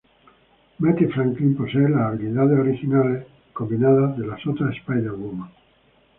Mattie Franklin posee las habilidades originales combinadas de las otras Spider-Woman.